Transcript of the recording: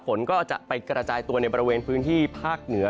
ฝนก็จะไปกระจายตัวในบริเวณพื้นที่ภาคเหนือ